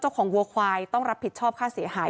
วัวควายต้องรับผิดชอบค่าเสียหาย